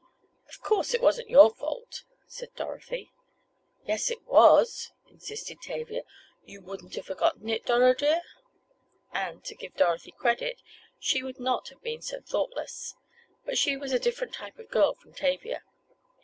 "Of course it wasn't your fault," said Dorothy. "Yes it was," insisted Tavia. "You wouldn't have forgotten it, Doro, dear!" And, to give Dorothy credit, she would not have been so thoughtless. But she was a different type of girl from Tavia.